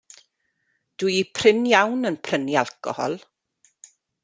Dw i prin iawn yn prynu alcohol.